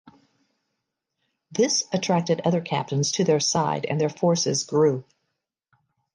This attracted other captains to their side and their forces grew.